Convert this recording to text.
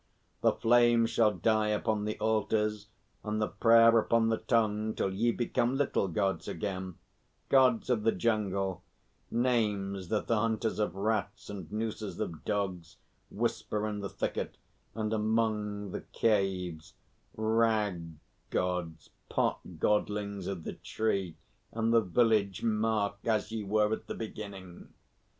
The flame shall die upon the altars and the prayer upon the tongue till ye become little Gods again Gods of the jungle names that the hunters of rats and noosers of dogs whisper in the thicket and among the caves rag Gods, pot Godlings of the tree, and the village mark, as ye were at the beginning.